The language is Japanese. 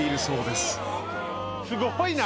すごいな！